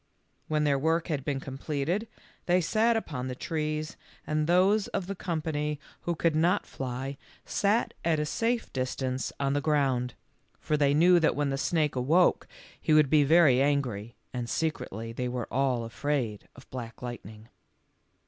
When their work had been completed, t\\ey sat about upon trees, and those of the company THE END OF BLACK LIGHTNING. 97 who could not fly sat at a safe distance on the ground, for they knew that when the snake awoke he would be very angry, and secretly they were all afraid of Black Lightning.